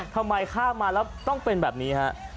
ทำไมข้ามมาแล้วต้องเป็นแบบนี้